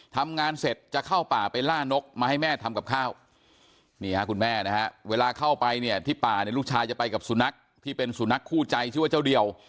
ทำงานเสร็จจะเข้าป่าไปล่านกมาให้แม่ทำกับข้าวนี่ฮะคุณแม่นะฮะเวลาเข้าไปเนี่ยที่ป่าเนี่ยลูกชายจะไปกับสุนัขที่เป็นสุนัขคู่ใจชื่อว่าเจ้าเดียว